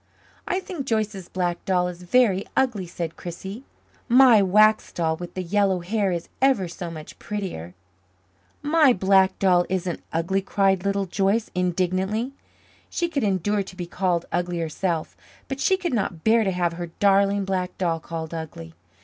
"I think Joyce's black doll is very ugly," said Chrissie. "My wax doll with the yellow hair is ever so much prettier." "My black doll isn't ugly," cried Little Joyce indignantly. She could endure to be called ugly herself, but she could not bear to have her darling black doll called ugly.